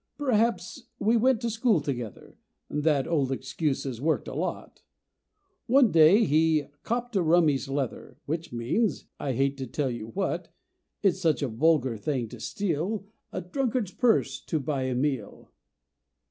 Perhaps "we went to school together;" That old excuse is worked a lot. One day he "copped a rummy's leather," Which means I hate to tell you what. It's such a vulgar thing to steal A drunkard's purse to buy a meal.